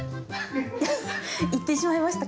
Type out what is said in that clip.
いってしまいましたか？